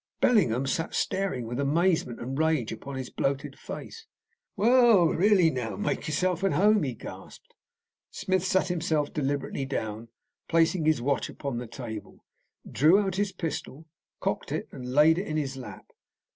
Bellingham sat staring, with amazement and rage upon his bloated face. "Well, really now, you make yourself at home," he gasped. Smith sat himself deliberately down, placing his watch upon the table, drew out his pistol, cocked it, and laid it in his lap.